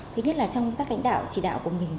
thứ nhất là trong công tác lãnh đạo chỉ đạo của mình